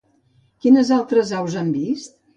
Quines altres aus han vist?